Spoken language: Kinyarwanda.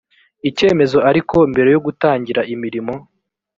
icyemezo ariko mbere yo gutangira imirimo